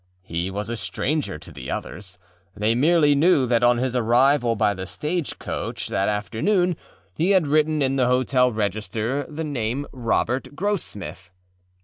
He was a stranger to the others. They merely knew that on his arrival by the stage coach that afternoon he had written in the hotel register the name Robert Grossmith.